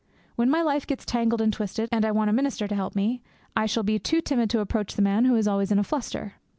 When my life gets tangled and twisted, and I want a minister to help me, I shall be too timid to approach the man who is always in a fluster.